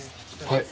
はい。